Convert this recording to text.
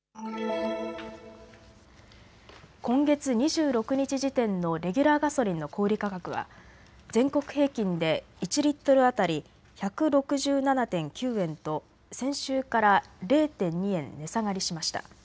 今月２６日時点のレギュラーガソリンの小売価格は全国平均で１リットル当たり１６７．９円と先週から０．２円値下がりしました。